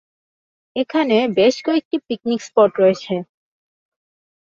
এখানে বেশ কয়েকটি পিকনিক স্পট রয়েছে।